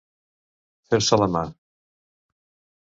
Fer-se la mà.